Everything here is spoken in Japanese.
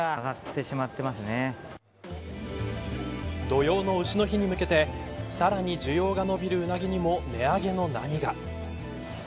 土用の丑の日に向けてさらに需要が伸びるウナギにも値上げの波が。